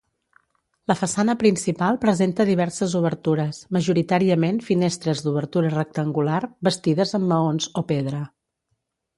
La façana principal presenta diverses obertures, majoritàriament finestres d'obertura rectangular, bastides amb maons o pedra.